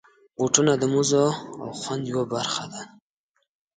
بوټونه د مزو او خوند یوه برخه ده.